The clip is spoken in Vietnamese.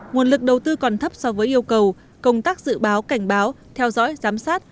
nguồn lực đầu tư còn thấp so với yêu cầu công tác dự báo cảnh báo theo dõi giám sát